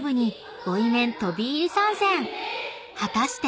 ［果たして？］